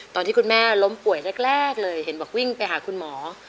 ตอนที่คุณแม่ล้มป่วยแรกเลยเห็นบอกวิ่งไปหาคุณหมอ